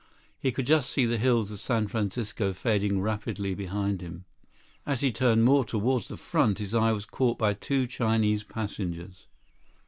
He could just see the hills of San Francisco, fading rapidly behind him. As he turned more toward the front, his eye was caught by two Chinese passengers.